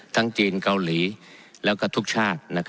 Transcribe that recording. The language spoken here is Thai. จีนเกาหลีแล้วก็ทุกชาติ